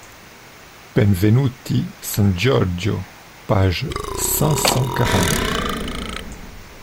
Benvenuti San Giorgio, page cinq cent quarante.